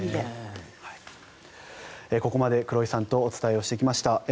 ここまで黒井さんとお伝えしてきました。